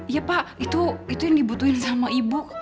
iya pak itu yang dibutuhin sama ibu